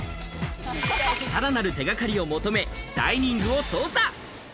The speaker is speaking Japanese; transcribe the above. さらなる手掛かりを求め、ダイニングを捜査。